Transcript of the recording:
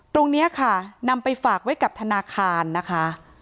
ตรงนี้ค่ะนำไปฝากไว้กับธนาคารนะคะ